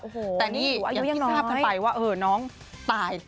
โอ้โหนี่หรืออายุยังน้อยแต่นี่อย่างที่ที่ทราบกันไปว่าน้องตาย